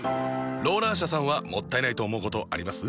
ローラー車さんはもったいないと思うことあります？